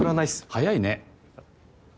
早いね。